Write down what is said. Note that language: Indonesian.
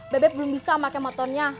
bebe belum bisa pake motornya